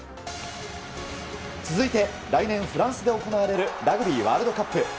続いて来年フランスで行われるラグビーワールドカップ。